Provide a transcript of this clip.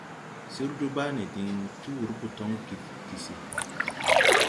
Sir Dubane diŋ ti wur botoŋ Gidigisi.